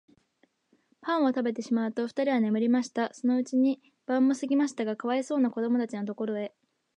パンをたべてしまうと、ふたりは眠りました。そのうちに晩もすぎましたが、かわいそうなこどもたちのところへ、